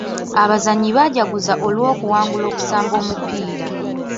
Abazannyi baajaguza olw'okuwangula okusamba omupiira.